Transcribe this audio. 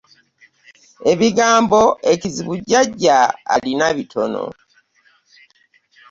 Ebigambo ekizibu jjajja alina bitono.